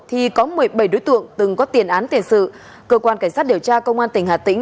thì có một mươi bảy đối tượng từng có tiền án tiền sự cơ quan cảnh sát điều tra công an tỉnh hà tĩnh